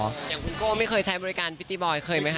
อย่างคุณโก้ไม่เคยใช้บริการพิตตี้บอยเคยไหมค